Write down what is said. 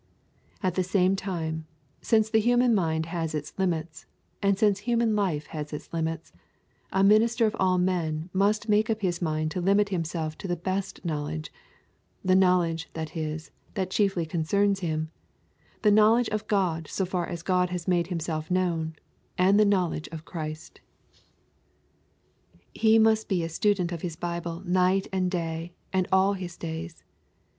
At the same time, since the human mind has its limits, and since human life has its limits, a minister of all men must make up his mind to limit himself to the best knowledge; the knowledge, that is, that chiefly concerns him, the knowledge of God so far as God has made Himself known, and the knowledge of Christ. He must be a student of his Bible night and day and all his days.